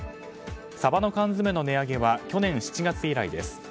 サバの缶詰の値上げは去年７月以来です。